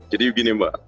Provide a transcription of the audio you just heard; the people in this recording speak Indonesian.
jadi begini mbak